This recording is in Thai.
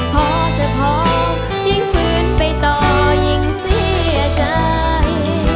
พอจะพอยิ่งฟื้นไปต่อยิ่งเสียใจ